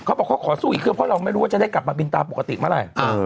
เขาบอกเขาขอสู้อีกเครื่องเพราะเราไม่รู้ว่าจะได้กลับมาบินตามปกติเมื่อไหร่